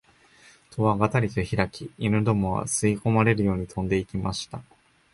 戸はがたりとひらき、犬どもは吸い込まれるように飛んで行きました